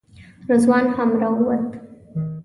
رضوان هم راووت.